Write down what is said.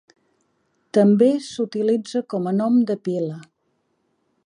També s"utilitza com a nom de pila.